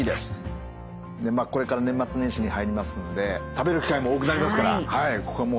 これから年末年始に入りますんで食べる機会も多くなりますから。